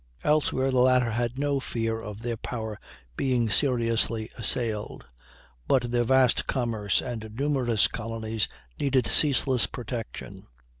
Elsewhere the latter had no fear of their power being seriously assailed; but their vast commerce and numerous colonies needed ceaseless protection.